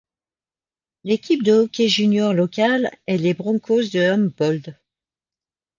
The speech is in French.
L'équipe de hockey junior locale est les Broncos de Humboldt.